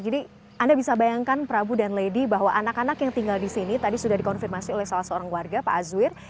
jadi anda bisa bayangkan prabu dan lady bahwa anak anak yang tinggal di sini tadi sudah dikonfirmasi oleh salah seorang warga pak azwir